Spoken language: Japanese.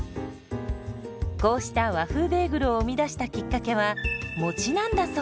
こうした和風ベーグルを生み出したきっかけはもちなんだそう。